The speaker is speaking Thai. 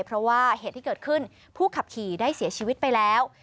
เพราะว่าเหตุที่เกิดขึ้นผู้ขับขี่ได้เสียชีวิตไปแล้ว